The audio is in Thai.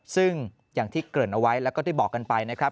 ซึ่งอย่างที่เกริ่นเอาไว้แล้วก็ได้บอกกันไปนะครับ